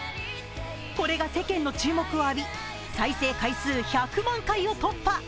これが世間の注目を浴び再生回数１００万回を突破。